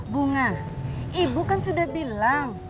bunga ibu kan sudah bilang